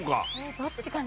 どっちかな？